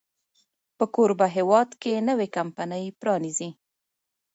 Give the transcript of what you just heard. په کوربه هېواد کې نوې کمپني پرانیزي.